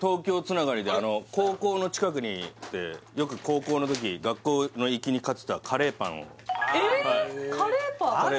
僕も高校の近くにあってよく高校の時学校の行きに買ってたカレーパンをえーっ